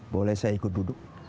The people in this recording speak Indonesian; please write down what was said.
boleh saya ikut duduk